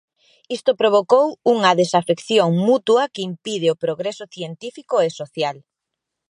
Isto provocou unha desafección mutua que impide o progreso científico e social.